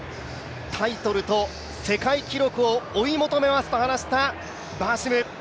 タイトルと世界記録を追い求めますと話した、バーシム。